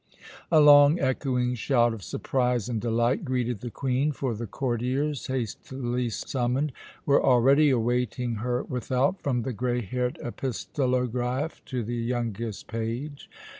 A long, echoing shout of surprise and delight greeted the Queen, for the courtiers, hastily summoned, were already awaiting her without, from the grey haired epistolograph to the youngest page.